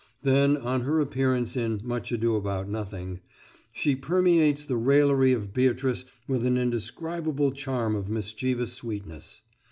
Then, on her appearance in "Much Ado About Nothing:" "She permeates the raillery of Beatrice with an indescribable charm of mischievous sweetness.